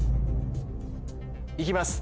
いきます